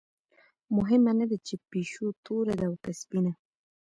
مهمه نه ده چې پیشو توره ده او که سپینه.